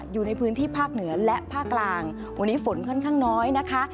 อยู่ในพื้นที่ภาคเหนือและภาคกลางวันนี้ฝนค่อนข้างน้อยนะคะ